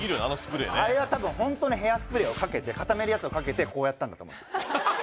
あれはたぶんホントのヘアスプレーをかけて固めるやつをかけてこうやったんだと思います